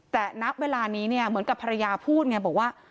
แต่ณเวลานี้เนี่ยเหมือนกับภรรยาพูดไงบอกว่า